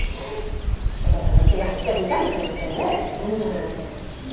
お父さんの血が入ってるんかもしれませんね。